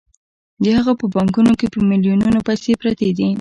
د هغه په بانکونو کې په میلیونونو پیسې پرتې دي